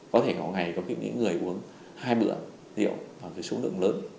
có thể có ngày có những người uống hai bữa rượu với số lượng lớn